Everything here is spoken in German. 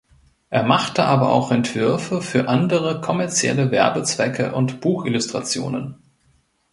Er machte aber auch Entwürfe für andere kommerzielle Werbezwecke und Buchillustrationen.